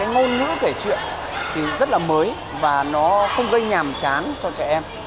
ngôn ngữ kể chuyện thì rất là mới và nó không gây nhàm chán cho trẻ em